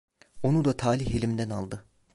Onu da talih elimden aldı.